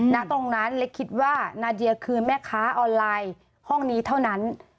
ณตรงนั้นเล็กคิดว่านาเดียคือแม่ค้าออนไลน์ห้องนี้เท่านั้น